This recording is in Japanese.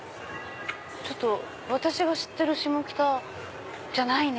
私が知ってるシモキタじゃないね